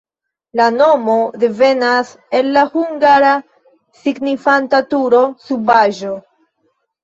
La nomo devenas el la hungara, signifanta turo-subaĵo.